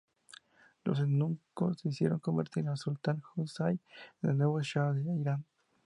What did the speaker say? Los eunucos decidieron convertir al sultán Husayn en el nuevo shah de Irán.